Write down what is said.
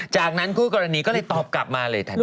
จากนั้นคู่กรณีก็เลยตอบกลับมาเลยทันที